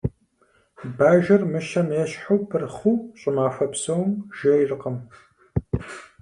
Бажэр мыщэм ещхьу пырхъыу щӏымахуэ псом жейркъым.